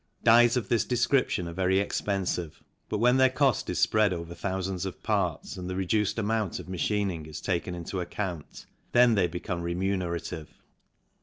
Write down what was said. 48 THE CYCLE INDUSTRY Dies of this description are very expensive, but when their cost is spread over thousands of parts and the reduced amount of machining is taken into account, then they become remunerative.